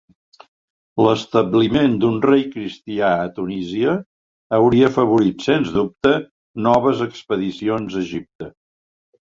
L'establiment d'un rei cristià a Tunísia hauria afavorit, sens dubte, noves expedicions a Egipte.